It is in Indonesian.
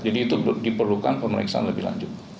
jadi itu diperlukan pemeriksaan lebih lanjut